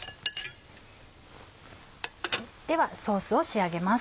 ではソースを仕上げます。